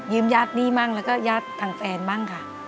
ญาติหนี้บ้างแล้วก็ญาติทางแฟนบ้างค่ะ